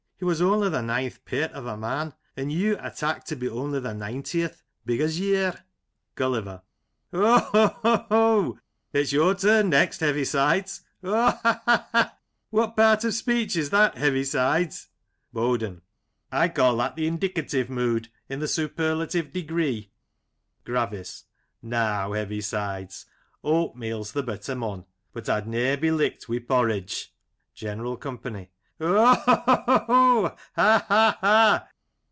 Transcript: He was only the ninth pairt o' a man, and you I tak to be only the nintieth — ^big as ye ir ! Gulliver : Ho ! ho ! ho ! It's your turn next, Heavisides. Ho ! ha ! ha ! What part of speech is that, Heavisides ? BoDEN : I call that the " indicative mood " in the " super lative degree." Gravis : Now, Heavisides, oatmeal's th' better mon, but I'd ne'er be licked wi' porridge ! General Company : Ho ! ho ! ho ! Ha ! ha ! ha